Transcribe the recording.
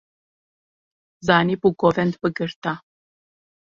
Zanîbû govend bigirta.